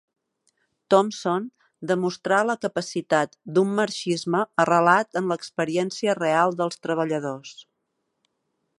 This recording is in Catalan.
Thompson demostrà la capacitat d'un marxisme arrelat en l'experiència real dels treballadors.